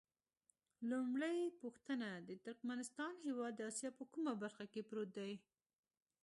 لومړۍ پوښتنه: د ترکمنستان هېواد د اسیا په کومه برخه کې پروت دی؟